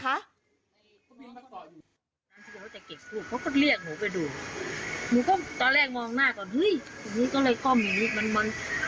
เขาก็เรียกหนูไปดูหนูก็ตอนแรกมองหน้าก่อนเฮ้ยอันนี้ก็เลยก้อมอยู่